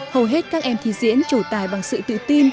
hầu hết các em thi diễn chủ tài bằng sự tự tin